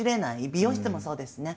美容室もそうですね。